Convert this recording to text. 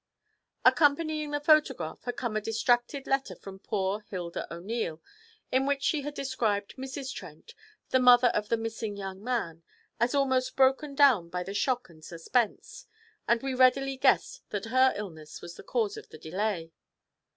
Accompanying the photograph had come a distracted letter from poor Hilda O'Neil, in which she had described Mrs. Trent, the mother of the missing young man, as almost broken down by the shock and suspense; and we readily guessed that her illness was the cause of the delay.